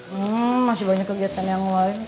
hmm masih banyak kegiatan yang luar ini